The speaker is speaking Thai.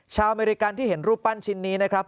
อเมริกันที่เห็นรูปปั้นชิ้นนี้นะครับ